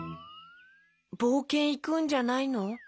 ぼうけんいくんじゃないの？